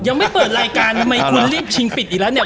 ยังไม่เปิดรายการทำไมคุณรีบชิงปิดอีกแล้วเนี่ย